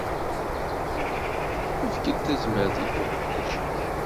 Efk-d tazmert-ik i uqeddac-ik.